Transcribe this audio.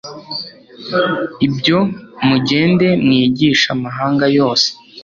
IbyoMugende, mwigishe amahanga yose